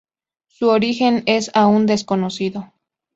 Su origen es aun desconocido.